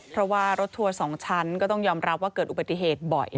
เพราะว่ารถทัวร์๒ชั้นก็ต้องยอมรับว่าเกิดอุบัติเหตุบ่อย